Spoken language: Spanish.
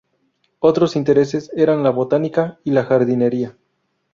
Otros intereses eran la botánica y la jardinería.